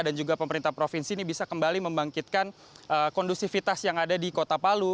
dan juga pemerintah provinsi ini bisa kembali membangkitkan kondusivitas yang ada di kota palu